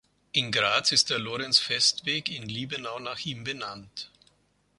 In Graz ist der Lorenz-Vest-Weg in Liebenau nach ihm benannt.